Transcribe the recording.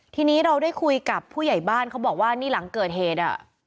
ทีนี้เราได้คุยกับผู้ใหญ่บ้านเขาบอกว่านี่หลังเกิดเหตุ